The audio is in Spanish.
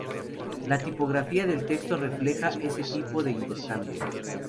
La tipografía del texto refleja ese tipo de intercambio.